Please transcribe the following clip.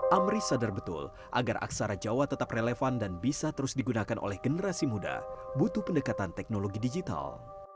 amri sadar betul agar aksara jawa tetap relevan dan bisa terus digunakan oleh generasi muda butuh pendekatan teknologi digital